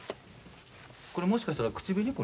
これもしかしたら口紅？